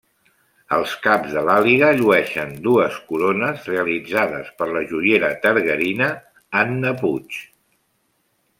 Els caps de l'Àliga llueixen dues corones realitzades per la joiera targarina Anna Puig.